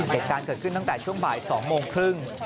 เหตุการณ์เกิดขึ้นตั้งแต่ช่วงบ่าย๒โมงครึ่ง